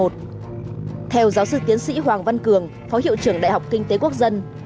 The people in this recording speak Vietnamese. theo giáo sư tiến sĩ hoàng văn cường phó hiệu trưởng đại học kinh tế quốc dân